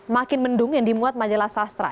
makin mendung yang dimuat majalah sastra